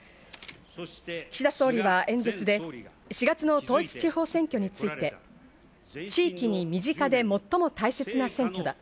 岸田総理は演説で４月の統一地方選挙について、地域に身近で最も大切な選挙だ。